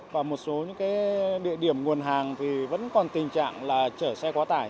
và một số những địa điểm nguồn hàng thì vẫn còn tình trạng là chở xe quá tải